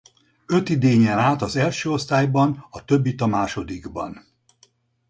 Öt idényen át az első osztályban a többit a másodikban.